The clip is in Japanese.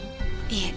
いえ。